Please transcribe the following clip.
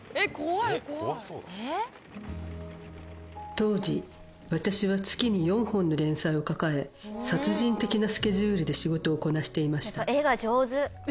当時私は月に４本の連載を抱え殺人的なスケジュールで仕事をこなしていました絵が上手。